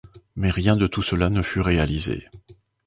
Mais rien de tout cela ne fut réalisé.